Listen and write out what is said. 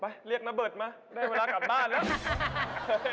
เรียกนเบิดมาได้เวลากลับบ้านแล้ว